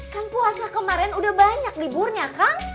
kan puasa kemarin udah banyak liburnya kang